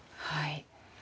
はい。